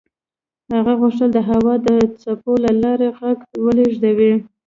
هغه غوښتل د هوا د څپو له لارې غږ ولېږدوي.